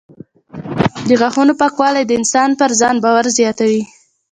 د غاښونو پاکوالی د انسان پر ځان باور زیاتوي.